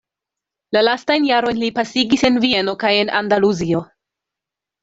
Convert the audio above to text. La lastajn jarojn li pasigis en Vieno kaj en Andaluzio.